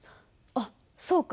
あっそうか。